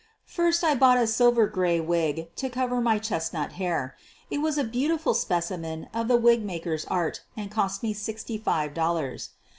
First I bought a silver gray wig to cover my chest nut hair. It was a beautiful specimen of the wig maker's art and cost me sixty five dollars.